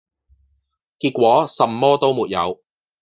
結果什麼都沒有